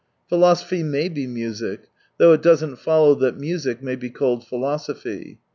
Philosophy may be music — though it doesn't follow that music may be called philosophy.